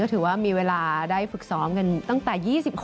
ถือว่ามีเวลาได้ฝึกซ้อมกันตั้งแต่๒๖